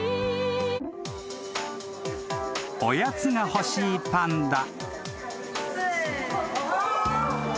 ［おやつが欲しいパンダ］